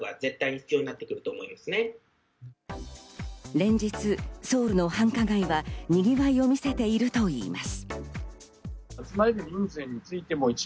連日、ソウルの繁華街はにぎわいを見せているといいます。